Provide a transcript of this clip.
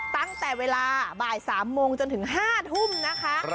ตั้งแต่เวลาบ่าย๓โมงจนถึง๕ทุ่มนะคะ